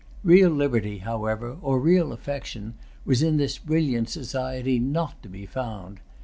Real liberty, however, or real affection, was in this brilliant society not to be found.